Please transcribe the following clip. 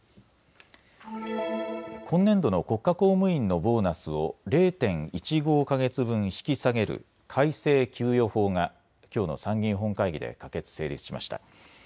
今年度の国家公務員のボーナスを０．１５か月分引き下げる改正給与法がきょうの参議院本会議で可決・成立しました。